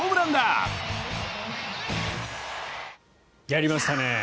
やりましたね。